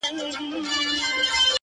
زما تصـور كي دي تصـوير ويده دی.